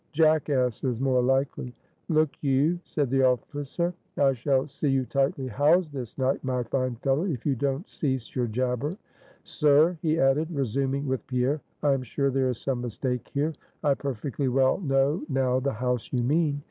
jackasses more likely!" "Look you," said the officer, "I shall see you tightly housed this night, my fine fellow, if you don't cease your jabber. Sir," he added, resuming with Pierre, "I am sure there is some mistake here. I perfectly well know now the house you mean.